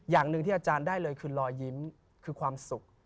อย่างหนึ่งที่อาจารย์ได้เลยคือรอยยิ้มคือความสุข